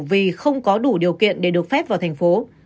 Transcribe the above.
vì không có đủ điều kiện để được phép vào thành phố